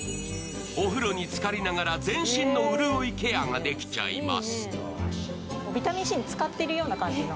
お風呂につかりながら前身の潤いケアができちゃいます。